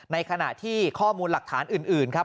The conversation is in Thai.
ในขณะที่ข้อมูลหลักฐานอื่นครับ